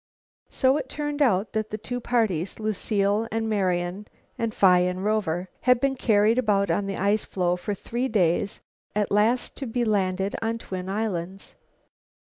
So it turned out that the two parties, Lucile and Marian and Phi and Rover, had been carried about on the ice floe for three days at last to be landed on twin islands.